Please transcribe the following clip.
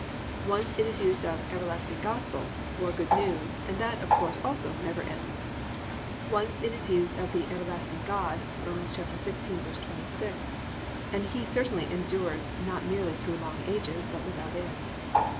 Once it is used of "everlasting gospel" (or good news) and that, of course, also never ends. Once it is used of the "everlasting God" (Rom. 16:26) and He certainly endures not merely through long ages, but without end.